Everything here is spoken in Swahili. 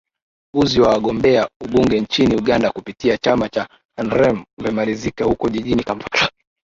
uzi wa wagombea ubunge nchini uganda kupitia chama cha nrm umemalizika huko jijini kampala